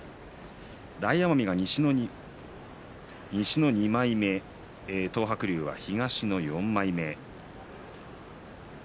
大奄美が西の２枚目東白龍は東の４枚目。